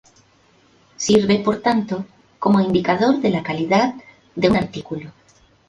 Sirve, por tanto, como indicador de la calidad de un artículo.